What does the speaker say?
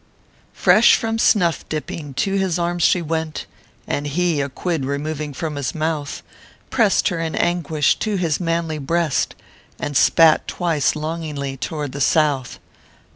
Fresh from snuff dipping to his arms she went, And he, a quid removing from his mouth, Pressed her in anguish to his manly breast And spat twice, longingly, toward the South.